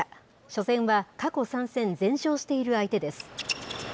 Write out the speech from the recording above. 初戦は過去３戦全勝している相手です。